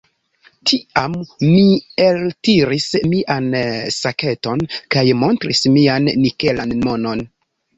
Tiam mi eltiris mian saketon kaj montris mian nikelan monon.